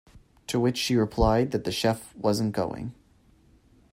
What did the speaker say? To which she replied that the chef wasn't going.